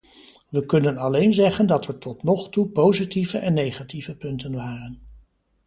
We kunnen alleen zeggen dat er tot nog toe positieve en negatieve punten waren.